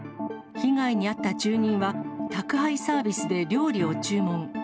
被害に遭った住人は、宅配サービスで料理を注文。